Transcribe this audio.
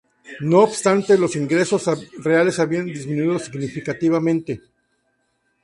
No obstante, los ingresos reales habían disminuido significativamente.